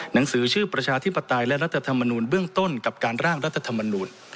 หนังสือชื่อประชาธิปไตยและรัฐธรรมนูลเบื้องต้นกับการร่างรัฐธรรมนูล